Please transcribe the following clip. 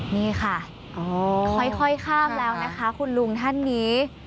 นี่ค่ะค่อยข้ามแล้วนะคะคุณลุงท่านนี้